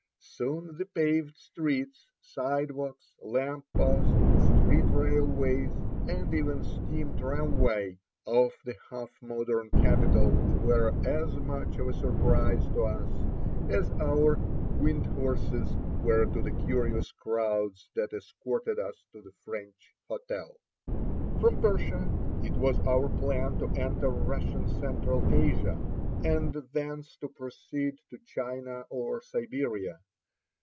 Soon the paved streets, sidewalks, lamp posts, street railways, and even steam tramway, of the half modern capital were as much of a surprise to us as our "wind horses" were to the curious crowds that escorted us to the French Hotel. [941 A PERSIAN REPAIRING THE WHEELS OF HIS WAGON. From Persia it was our plan to enter Russian central Asia, and thence to proceed to China or Siberia.